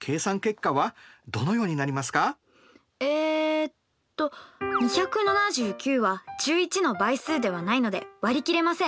えっと２７９は１１の倍数ではないのでわり切れません。